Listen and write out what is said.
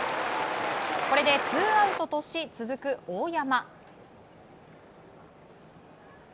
これでツーアウトとし続く大山。